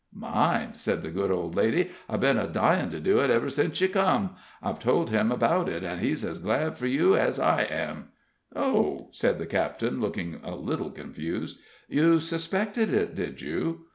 "Mind!" said the good old lady. "I've been a dyin' to do it ever since you come. I've told him about it, and he's ez glad fur you ez I am." "Oh!" said the captain, looking a little confused, "you suspected it, did you?"